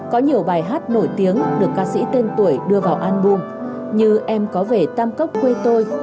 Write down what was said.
có nhiều bài hát nổi tiếng được ca sĩ tên tuổi đưa vào album như em có về tam cốc quê tôi